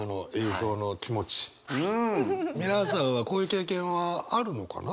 皆さんはこういう経験はあるのかな？